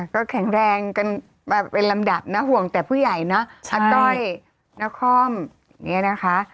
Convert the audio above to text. ก็แข็งแรงกันมาเป็นลำดับนะห่วงแต่ผู้ใหญ่เนอะอาต้อยนครอย่างนี้นะคะ